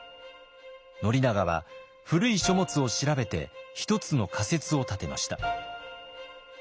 宣長は古い書物を調べて１つの仮説を立てました。